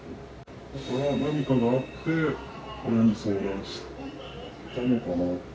だから、何かがあって親に相談したのかな。